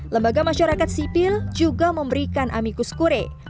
lembaga masyarakat sipil juga memberikan amikus kure